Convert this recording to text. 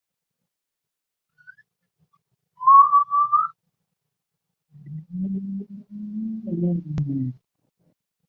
该线废除前废除的路线则以该时为准。